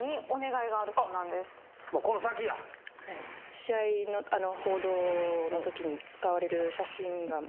試合の報道のときに使われる。